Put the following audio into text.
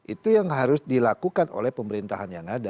itu yang harus dilakukan oleh pemerintahan yang ada